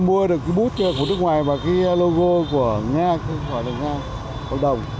mua được cái bút của nước ngoài và cái logo của nga gọi là nga bộ đồng